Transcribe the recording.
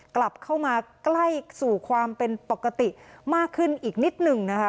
กลับเข้ามาใกล้สู่ความเป็นปกติมากขึ้นอีกนิดหนึ่งนะคะ